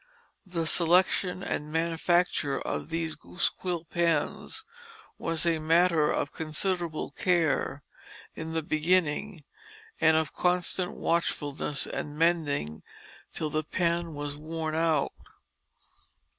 The selection and manufacture of these goose quill pens was a matter of considerable care in the beginning, and of constant watchfulness and "mending" till the pen was worn out.